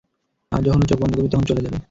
আর যখন ও চোখ বন্ধ করবে, তখন চলে যাবে।